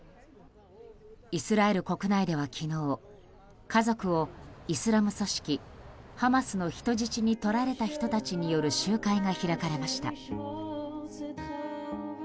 イスラエル国内では昨日家族をイスラム組織ハマスの人質にとられた人たちによる集会が開かれました。